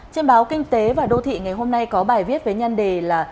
trên báo kinh tế và đô thị ngày hôm nay có bài viết với nhân đề là